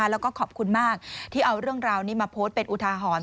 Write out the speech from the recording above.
แล้วก็ขอบคุณมากที่เอาเรื่องราวนี้มาโพสต์เป็นอุทาหรณ์